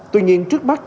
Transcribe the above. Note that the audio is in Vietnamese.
tuy nhiên trước mắt